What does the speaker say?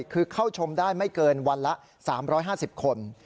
คือเข้าชมได้ไม่เกินวันละ๓๕๐คน